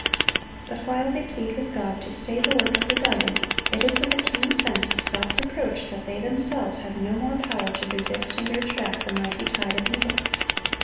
But while they plead with God to stay the work of rebellion, it is with a keen sense of self reproach that they themselves have no more power to resist and urge back the mighty tide of evil.